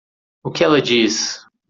O que ela diz?